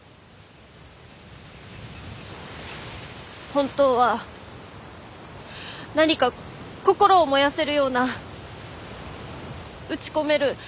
本当は何か心を燃やせるような打ち込める